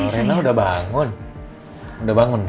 rena udah bangun udah bangun